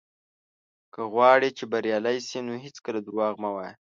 که غواړې چې بريالی شې، نو هېڅکله دروغ مه وايه.